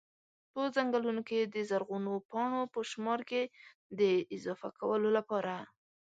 په ځنګلونو کي د زرغونو پاڼو په شمار کي د اضافه کولو لپاره